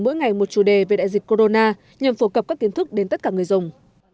mỗi ngày một chủ đề về đại dịch corona nhằm phổ cập các kiến thức đến tất cả người dùng